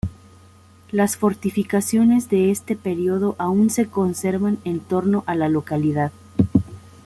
Las fortificaciones de este periodo aún se conservan en torno a la localidad.